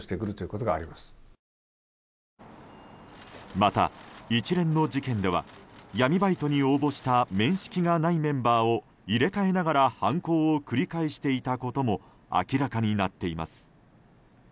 また、一連の事件では闇バイトに応募した面識がないメンバーを入れ替えながら犯行を繰り返していたことも明らかになっています。